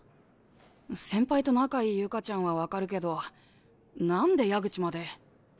先輩と仲いいユカちゃんは分かるけどなんで矢口まで。